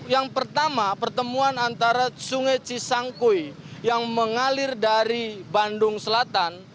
yang pertama pertemuan antara sungai cisangkui yang mengalir dari bandung selatan